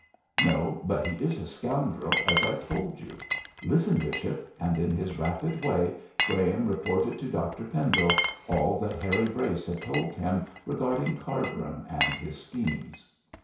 'No; but he is a scoundrel, as I told you. Listen, bishop,' and in his rapid way Graham reported to Dr Pendle all that Harry Brace had told him regarding Cargrim and his schemes.